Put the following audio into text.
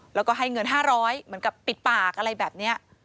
แล้วก็ให้เงิน๕๐๐เหมือนกับปิดปากอะไรแบบนี้